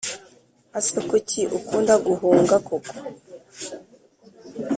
ase kuki ukunda guhunga koko